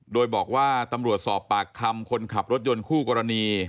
โดยบอกว่าตำรวจสอบปากคำคนขับรถยนต์คู่กรณี